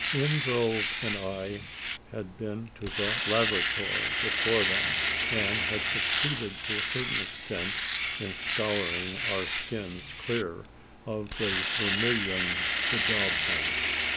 Wingrove and I had been to the lavatory before them; and had succeeded to a certain extent in scouring our skins clear of the vermilion bedaubment.